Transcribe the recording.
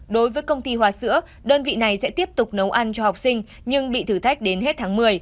đối với công ty hoa sữa đơn vị này sẽ tiếp tục nấu ăn cho học sinh nhưng bị thử thách đến hết tháng một mươi